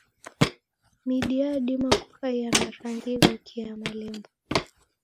Midi yadima kukaia na rangi ighokie ya malemba.